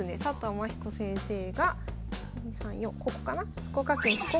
天彦先生がここかな。